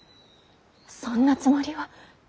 そんなつもりは。